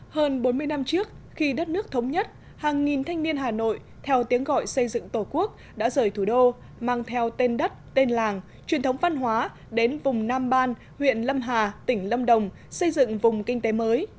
hơn bốn mươi năm trước khi đất nước thống nhất hàng nghìn thanh niên hà nội theo tiếng gọi xây dựng tổ quốc đã rời thủ đô mang theo tên đất tên làng truyền thống văn hóa đến vùng nam ban huyện lâm hà tỉnh lâm đồng xây dựng vùng kinh tế mới